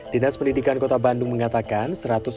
dinas pendidikan kota bandung mengatakan